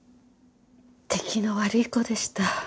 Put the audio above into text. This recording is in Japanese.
出来の悪い子でした。